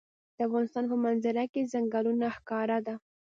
د افغانستان په منظره کې ځنګلونه ښکاره ده.